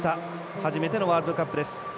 初めてのワールドカップです。